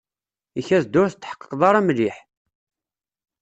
Ikad-d ur tetḥeqqeḍ ara mliḥ.